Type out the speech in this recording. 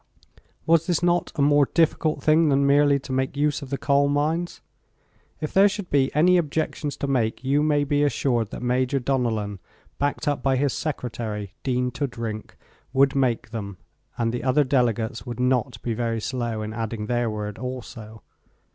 Was this not a more difficult thing than merely to make use of the coal mines? If there should be any objections to make you may be assured that Major Donellan, backed up by his secretary, Dean Toodrink, would make them, and the other delegates would not be very slow in adding their word also.